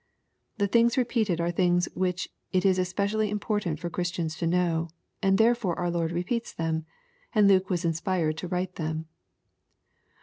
The things repeated are things which it is especially important for Christians to know, and therefore our Lord repeats them, and Luke was inspired to write them.